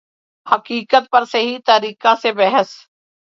حقیقت پر صحیح طریقہ سے بحث